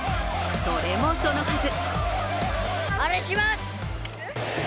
それもそのはず